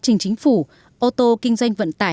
trên chính phủ ô tô kinh doanh vận tài